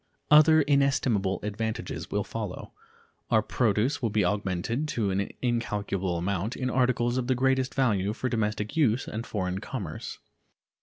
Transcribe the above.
Other inestimable advantages will follow. Our produce will be augmented to an incalculable amount in articles of the greatest value for domestic use and foreign commerce.